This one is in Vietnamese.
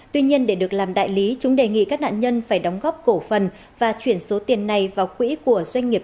tuy nhiên để được làm đại lý chúng đề nghị các nạn nhân phải đóng góp cổ phần và chuyển số tiền này vào quỹ của doanh nghiệp